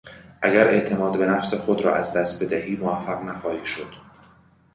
اگر اعتماد به نفس خود را از دست بدهی موفق نخواهی شد.